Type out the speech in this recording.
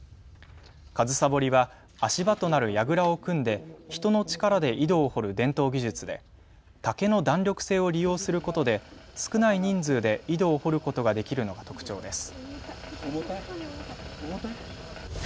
上総掘りは足場となるやぐらを組んで人の力で井戸を掘る伝統技術で竹の弾力性を利用することで少ない人数で井戸を掘ることができるのが特徴です。